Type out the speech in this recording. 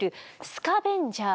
スカベンジャー？